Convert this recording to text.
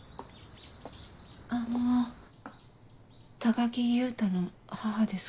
あの高木優太の母ですが。